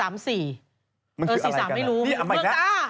มันคืออะไรกันนะเมืองตาก๔๓หาซื้อไม่ได้เห็นไหมมันคืออะไรกันนะ